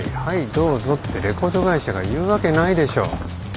「はいどうぞ」ってレコード会社が言うわけないでしょ。